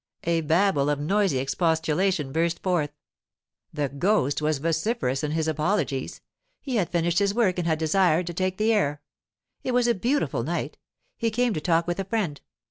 A babble of noisy expostulation burst forth. The ghost was vociferous in his apologies. He had finished his work and had desired to take the air. It was a beautiful night. He came to talk with a friend.